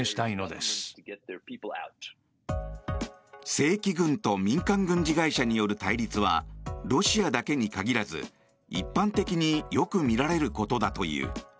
正規軍と民間軍事会社による対立はロシアだけに限らず一般的によく見られることだという。